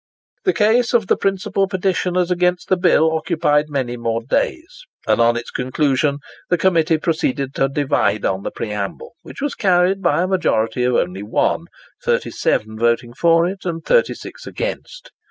The case of the principal petitioners against the bill occupied many more days, and on its conclusion the committee proceeded to divide on the preamble, which was carried by a majority of only one—37 voting for it, and 36 against it.